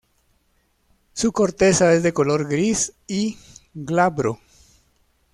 Su corteza es de color gris y glabro.